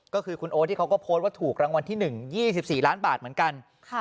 ก็คือคุณโอ๊ตที่เขาก็โพสต์ว่าถูกรางวัลที่๑๒๔ล้านบาทเหมือนกัน